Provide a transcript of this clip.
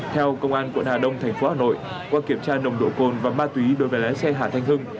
theo công an quận hà đông thành phố hà nội qua kiểm tra nồng độ cồn và ma túy đối với lái xe hà thanh hưng